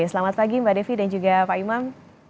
selamat pagi mbak devi dan juga pak imam